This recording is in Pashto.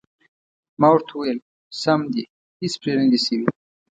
ما ورته وویل: سم دي، هېڅ پرې نه دي شوي.